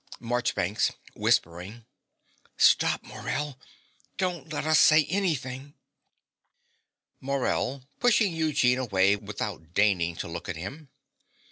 MARCHBANKS (whispering). Stop Morell. Don't let us say anything. MORELL (pushing Eugene away without deigning to look at him).